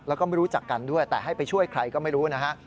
แล้วก็ไม่รู้จักกันด้วยแต่ให้ไปช่วยใครก็ไม่รู้นะฮะ